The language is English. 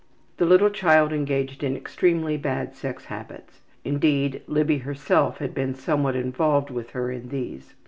The little child engaged in extremely bad sex habits. Indeed, Libby herself had been somewhat involved with her in these.